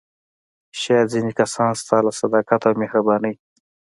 شاید ځینې کسان ستا له صداقت او مهربانۍ.